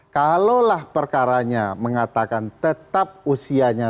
kalau lah perkaranya mengatakan tetap usianya